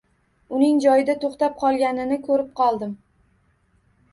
Uning joyida to‘xtab qolganini ko‘rib qoldi